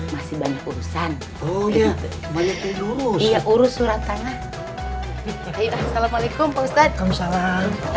masih banyak uangnya yang ada di rumah saya